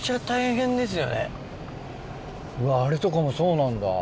うわあれとかもそうなんだ。